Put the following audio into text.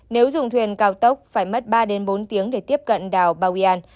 nếu dùng thuyền cao tốc phải mất ba bốn tiếng để tiếp cận đảo bawean